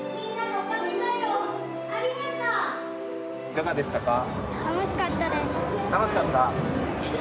いかがでしたか？